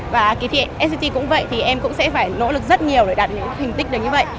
và khi thị sat cũng vậy thì em cũng sẽ phải nỗ lực rất nhiều để đạt được những hình tích đánh như vậy